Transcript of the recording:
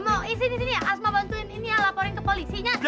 mau isin disini asma bantuin ini ya laporin ke polisinya